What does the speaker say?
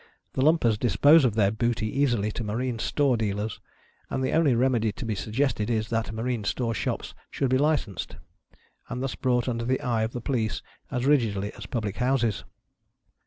The Lumpers dispose of their booty, easily, to maiine store dealers, and the only remedy to be suggested is that marine store shops should be licensed, and thus brought under the eye of the police as rigidly as public houses.